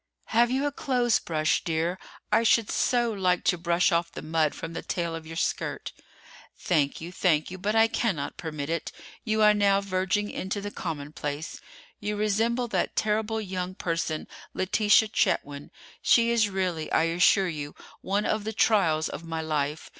"Have you a clothes brush, dear: I should so like to brush off the mud from the tail of your skirt." "Thank you, thank you; but I cannot permit it. You are now verging into the commonplace. You resemble that terrible young person, Letitia Chetwynd. She is really, I assure you, one of the trials of my life.